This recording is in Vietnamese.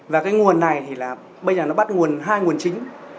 và nguồn này bây giờ bắt nguồn hai nguồn chính